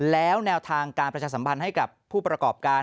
แล้วแนวทางการประชาสัมพันธ์ให้กับผู้ประกอบการ